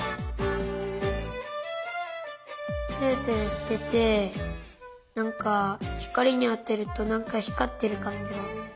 ツルツルしててなんかひかりにあてるとなんかひかってるかんじが。